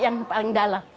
yang paling dalam